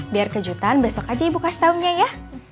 biar kejutan besok aja ibu kasih tau nya ya